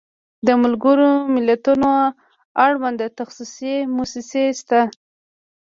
د ملګرو ملتونو اړوند تخصصي موسسې شته.